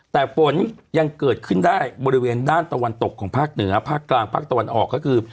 แต่ฝนยังเกิดขึ้นได้บริเวณด้านตะวันตกของภาคเหนือภาคกลางภาคตะวันออกก็คือ